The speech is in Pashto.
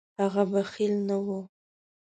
هغه بخیل نه و.